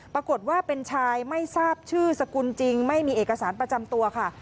ปรากฏว่าเป็นชายไม่ทราบชื่อสกุลจริงไม่มีเอกสารประจำตัวค่ะ